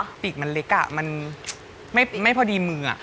หมวกปีกดีกว่าหมวกปีกดีกว่า